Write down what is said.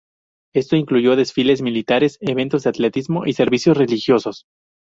Esto incluyó desfiles militares, eventos de atletismo y servicios religiosos.